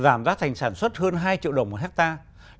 giảm giá thành sản xuất hơn hai triệu đồng một hectare